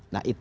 nah itu ya